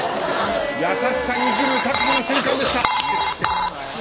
優しさにじむ確保の瞬間でした。